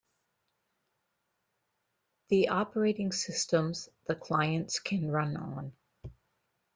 The operating systems the clients can run on.